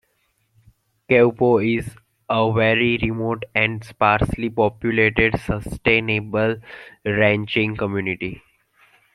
Kaupo is a very remote and sparsely populated sustainable ranching community.